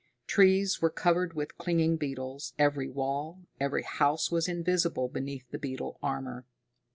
Trees were covered with clinging beetles, every wall, every house was invisible beneath the beetle armor.